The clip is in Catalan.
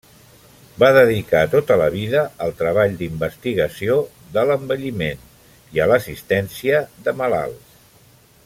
Va dedicar tota la vida al treball d'investigació de l'envelliment i a l'assistència de malalts.